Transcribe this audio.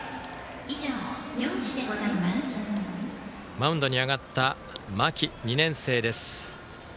マウンドに上がった間木２年生です。